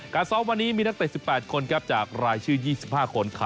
การซ้อมวันนี้มีนักเตะสิบแปดคนครับจากรายชื่อยี่สิบห้าคนค่ะ